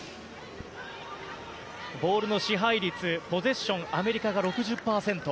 ボールの支配率、ポゼッションはアメリカが６０％。